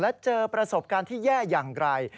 และเจอประสบการณ์ที่แย่อย่างไร